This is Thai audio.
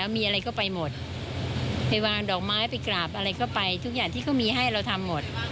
มีอะไรก็ไปหมดไปวางดอกไม้ไปกราบอะไรก็ไปทุกอย่างที่เขามีให้เราทำหมด